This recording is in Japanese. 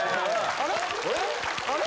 あれ？